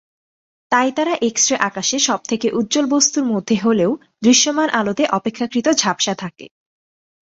তাই এরা এক্স-রে আকাশে সবথেকে উজ্জ্বল বস্তুর মধ্যে হলেও, দৃশ্যমান আলোতে অপেক্ষাকৃত ঝাপসা থাকে।